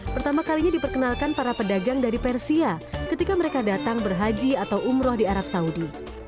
pertama kalinya diperkenalkan para pedagang dari persia ketika mereka datang berhaji atau umroh di arab saudi